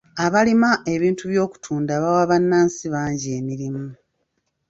Abalima ebintu by'okutunda bawa bannansi bangi emirimu.